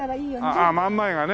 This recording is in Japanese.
ああ真ん前がね。